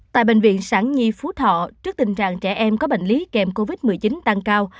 tại bệnh viện sản nhi phú thọ trước tình trạng trẻ em có bệnh lý kèm covid một mươi chín tăng cao